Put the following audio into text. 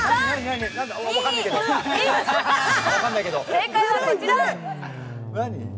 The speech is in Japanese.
正解はこちら！